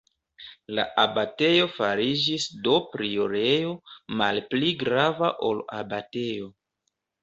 La abatejo fariĝis do priorejo, malpli grava ol abatejo.